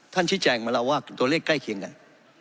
ชี้แจงมาแล้วว่าตัวเลขใกล้เคียงกัน